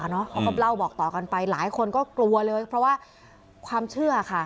เขาก็เล่าบอกต่อกันไปหลายคนก็กลัวเลยเพราะว่าความเชื่อค่ะ